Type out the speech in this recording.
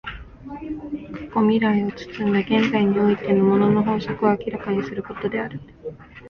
過去未来を包んだ現在においての物の法則を明らかにすることである。